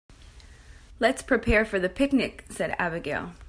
"Let's prepare for the picnic!", said Abigail.